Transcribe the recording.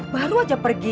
baru aja pergi